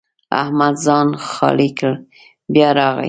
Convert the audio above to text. احمد ځان خالي کړ؛ بیا راغی.